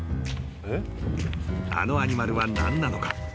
［あのアニマルは何なのか？